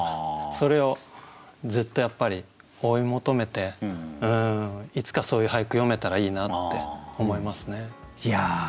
それをずっとやっぱり追い求めていつかそういう俳句詠めたらいいなって思いますね。